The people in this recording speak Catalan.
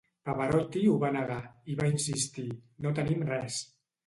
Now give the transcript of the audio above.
Pavarotti ho va negar, i va insistir: No tenim res.